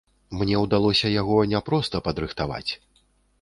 Мне ўдалося яго не проста падрыхтаваць.